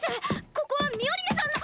ここはミオリネさんの。